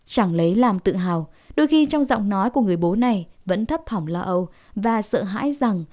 chẳng lấy làm tự hào đôi khi trong giọng nói của người bố này vẫn thấp thỏm lo âu và sợ hãi rằng